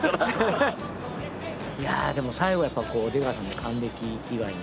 いやでも最後やっぱ出川さんの還暦祝いに。